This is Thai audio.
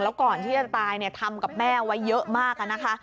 แล้วก่อนที่จะตายทำกับแม่ไว้เยอะมากนะคะ